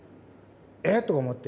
えっ⁉とか思って。